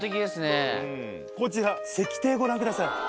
こちら石庭ご覧ください。